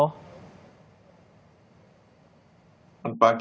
selamat pagi pak joko